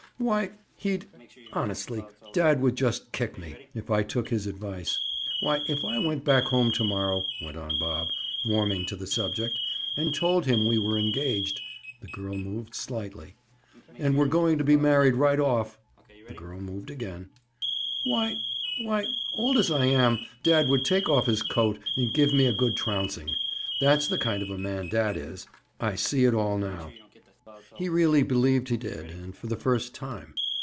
Why, he'd—honestly, dad would just kick me, if I took his advice. Why, if I went back home to morrow," went on Bob, warming to the subject, "and told him we were engaged"—the girl moved slightly—"and were going to be married right off"—the girl moved again—"why—why, old as I am, dad would take off his coat and give me a good trouncing. That's the kind of a man dad is. I see it all now." He really believed he did—and for the first time.